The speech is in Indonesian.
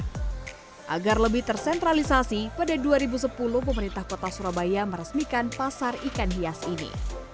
agar lebih tersentralisasi pada dua ribu sepuluh pemerintah kota surabaya meresmikan pasar ikan hias ini